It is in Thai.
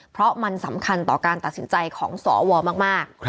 เพราะมันสำคัญต่อการตัดสินใจของสวมาก